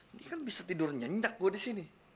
ini kan bisa tidur nyenyak gue disini